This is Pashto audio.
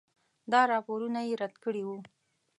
دا راپورونه یې رد کړي وو.